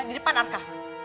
di depan arka